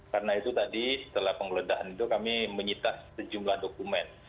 karena itu tadi setelah penggeledahan itu kami menyita sejumlah dokumen